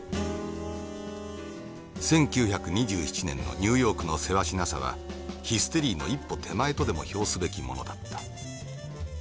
「１９２７年のニューヨークのせわしなさはヒステリーの一歩手前とでも表すべきものだった。